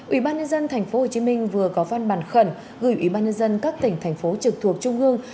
ủy ban nhân dân tp hcm vừa có văn bản khẩn gửi ủy ban nhân dân các tỉnh thành phố trực thuộc trung ương